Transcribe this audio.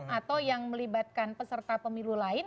atau yang melibatkan peserta pemilu lain